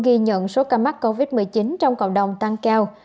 ghi nhận số ca mắc covid một mươi chín trong cộng đồng tăng cao